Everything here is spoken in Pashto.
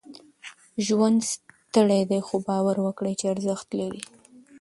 ژوند ستړی دی، خو؛ باور وکړئ چې ارزښت لري.